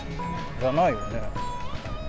じゃないよね。